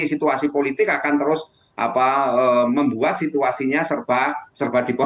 jadi situasi politik akan terus membuat situasinya serba dipotong